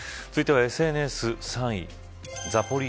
続いてはＳＮＳ、３位。